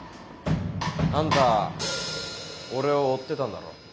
あんた俺を追ってたんだろ？